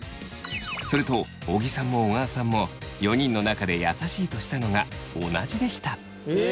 すると尾木さんも小川さんも４人の中で優しいとしたのが同じでした。